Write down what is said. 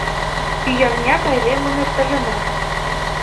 Ӱярня пайремым эртарена.